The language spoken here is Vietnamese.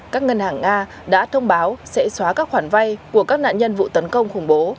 các ngân hàng nga đã thông báo sẽ xóa các khoản vay của các nạn nhân vụ tấn công khủng bố